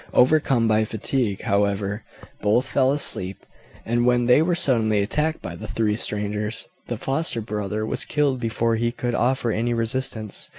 Overcome by fatigue, however, both fell asleep, and when they were suddenly attacked by the three strangers, the foster brother was killed before he could offer any resistance.